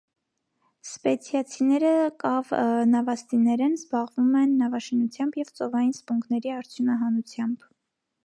Սպեցիացիները կավ նավաստիներ են, զբաղվում են նավաշինությամբ և ծովային սպունգների արդյունահանությամբ։